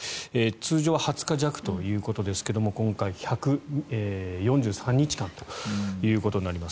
通常２０日弱ということですが今回、１４３日間ということになります。